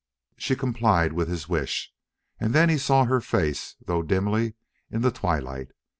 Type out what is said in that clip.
She complied with his wish, and then he saw her face, though dimly, in the twilight.